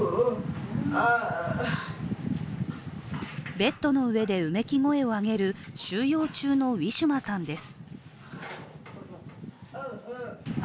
ベッドの上でうめき声を上げる収容中のウィシュマさんです。